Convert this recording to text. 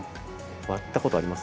割ったことあります？